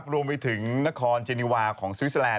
รวมไปถึงนครเจนีวาของซิวิสแลนด์